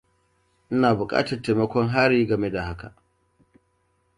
Ina bukatar taimakon Haryy game da haka.